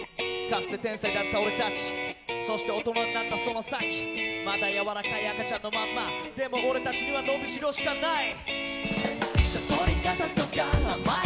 かつて天才だった俺達そして大人になったその先まだやわらかい赤ちゃんのまんまでも俺達にはのびしろしかない！